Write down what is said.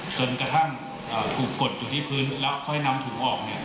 จนกระทั่งถูกกดสิฟะในพื้นแล้วนำถุงออก